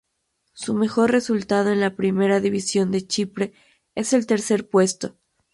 Su mejor resultado en la Primera División de Chipre es el tercer puesto.